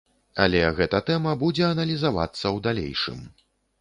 Але гэта тэма будзе аналізавацца ў далейшым.